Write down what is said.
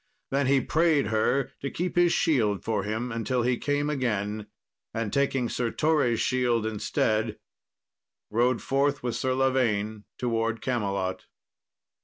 Then he prayed her to keep his shield for him until he came again, and taking Sir Torre's shield instead, rode forth with Sir Lavaine towards Camelot.